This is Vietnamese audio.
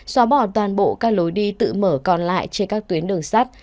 xóa bỏ toàn bộ các lối đi tự mở còn lại trên các tuyến đường sắt